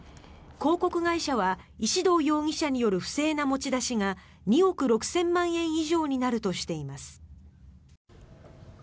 広告会社は石動容疑者による不正な持ち出しが２億６０００万円以上になるとしています。